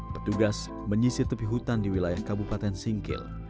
petugas menyisir tepi hutan di wilayah kabupaten singkil